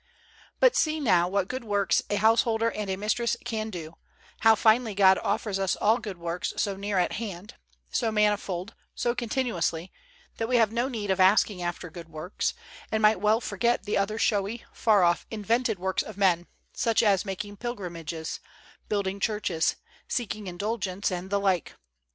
But see now, what good works a householder and a mistress can do, how finely God offers us all good works so near at hand, so manifold, so continuously, that we have no need of asking after good works, and might well forget the other showy, far off, invented works of men, such as making pilgrimages, building churches, seeking indulgence, and the like.